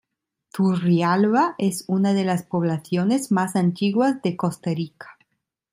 Turrialba es una de las poblaciones más antiguas de Costa Rica.